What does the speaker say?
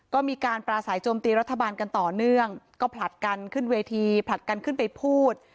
ก็มีการปราศัยโจมตีรัฐบาลกันต่อเนื่องก็ผลัดกันขึ้นเวทีผลัดกันขึ้นไปพูด